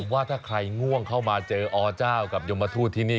ว่าถ้าใครง่วงเข้ามาเจออเจ้ากับยมทูตที่นี่